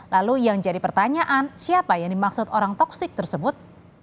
lalu yang jadi pertanyaan siapa yang dimaksud orang toksik tersebut